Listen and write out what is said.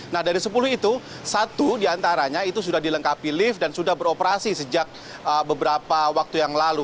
nah dari sepuluh itu satu diantaranya itu sudah dilengkapi lift dan sudah beroperasi sejak beberapa waktu yang lalu